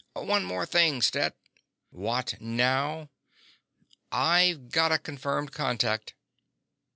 "One more thing, Stet." "What now?" "I've got a confirmed contact."